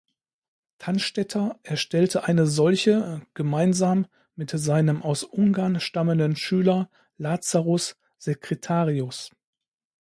Tannstetter erstellte eine solche gemeinsam mit seinem aus Ungarn stammenden Schüler Lazarus Secretarius.